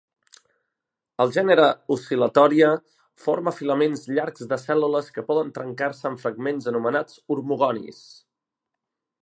El gènere "Oscillatoria" forma filaments llargs de cèl·lules que poden trencar-se en fragments anomenats hormogonis.